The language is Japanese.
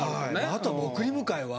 あとは送り迎えは。